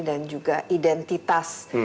dan juga identitas